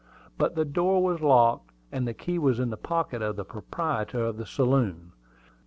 But the door was locked, and the key was in the pocket of the proprietor of the saloon.